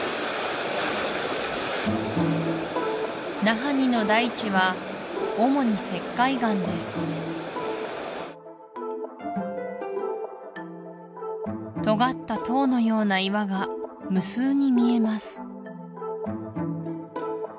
ナハニの大地は主に石灰岩ですとがった塔のような岩が無数に見えます